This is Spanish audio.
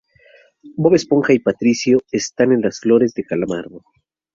Bob Esponja y Patricio están en las flores de Calamardo.